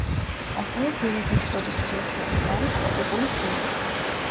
ასევე ძირითად პროდუქციას შორის არის ტროპიკული ხილი.